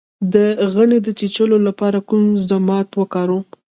د غڼې د چیچلو لپاره کوم ضماد وکاروم؟